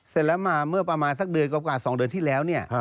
เสร็จแล้วมาเมื่อประมาณสักเดือนกว่า๒เดือนที่แล้วเนี่ย